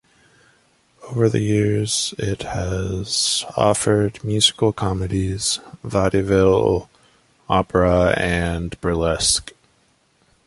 Over the years, it has offered musical comedies, vaudeville, opera, and burlesque.